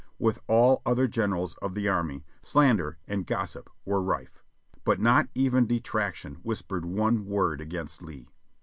With all other generals of the army, slander and gossip were rife, but not even Detraction w^hispered one word against Lee.